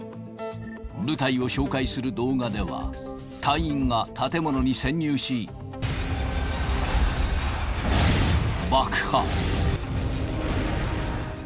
部隊を紹介する動画では、隊員が建物に潜入し、爆破。